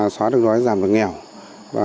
xóa được đói giảm được